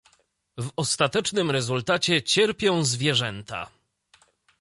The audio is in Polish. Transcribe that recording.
W ostatecznym rezultacie cierpią zwierzęta